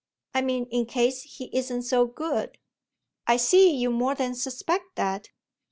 I mean in case he isn't so good." "I see you more than suspect that.